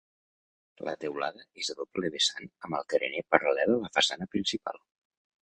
La teulada és a doble vessant amb el carener paral·lel a la façana principal.